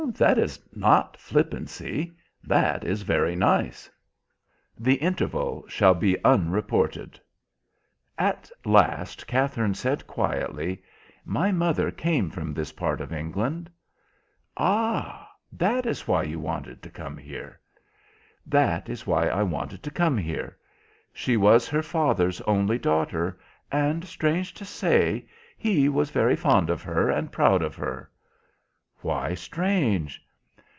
"That is not flippancy. That is very nice." The interval shall be unreported. At last Katherine said quietly, "My mother came from this part of England." "Ah! That is why you wanted to come here." "That is why I wanted to come here. She was her father's only daughter, and, strange to say, he was very fond of her, and proud of her." "Why strange?"